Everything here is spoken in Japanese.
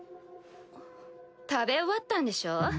食べ終わったんでしょ？